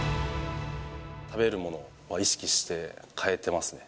食べるものは意識して変えてますね。